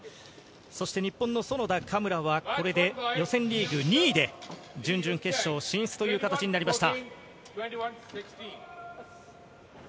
そして日本の園田・嘉村は、これで予選リーグ２位で準々決勝進出という形になりました。